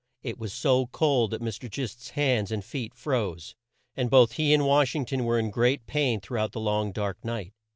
It was so cold that Mr. Gist's hands and feet froze, and both he and Wash ing ton were in great pain through out the long dark night.